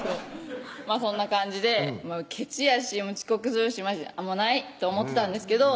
そんな感じでケチやし遅刻するしマジでないと思ってたんですけど